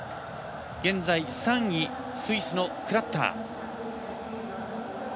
現在、３位、スイスのクラッター。